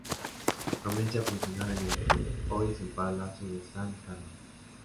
Comienza a funcionar en el que hoy es el palacio de San Carlos.